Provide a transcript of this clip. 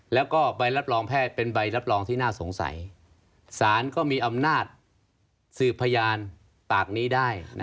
แล้วก็ใบรับรองแพทย์เป็นใบรับรองที่น่าสงสัยสารก็มีอำนาจสืบพยานปากนี้ได้